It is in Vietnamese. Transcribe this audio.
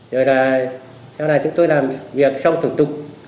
rồi là sau này chúng tôi làm việc xong thủ tục